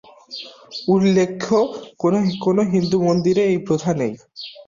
উল্লেখ্য, কোনো কোনো হিন্দু মন্দিরে এই প্রথা নেই।